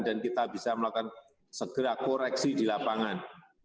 dan kita bisa melakukan segera koreksi di lapangan